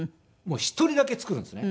１人だけ作るんですね。